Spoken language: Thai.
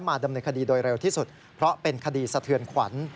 ดำเนินคดีโดยเร็วที่สุดเพราะเป็นคดีสะเทือนขวัญ